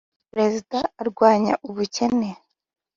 perezida arwanya ubukene.